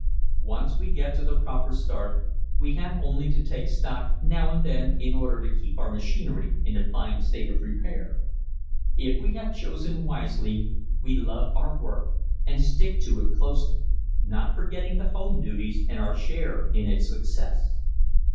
Once we get the proper start we have only to take stock now and then in order to keep our machinery in a fine state of repair. If we have chosen wisely we love our work and stick to it closely not forgetting the home duties and our share in its success.